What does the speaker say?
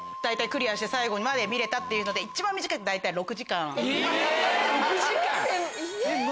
クリアして最後まで見れたっていうので大体６時間。え！